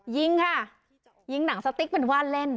ยิงค่ะยิงหนังสติ๊กเป็นว่าเล่น